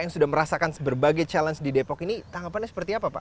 yang sudah merasakan berbagai challenge di depok ini tanggapannya seperti apa pak